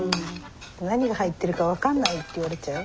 何が入ってるか分かんないって言われちゃう？